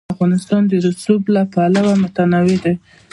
افغانستان د رسوب له پلوه متنوع دی.